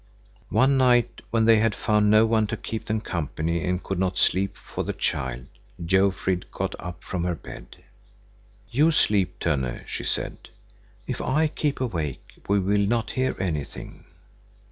One night, when they had found no one to keep them company and could not sleep for the child, Jofrid got up from her bed. "You sleep, Tönne," she said. "If I keep awake, we will not hear anything."